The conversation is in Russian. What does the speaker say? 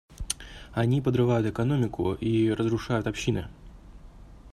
Они подрывают экономику и разрушают общины.